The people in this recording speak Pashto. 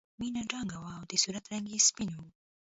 مینه دنګه وه او د صورت رنګ یې سپین و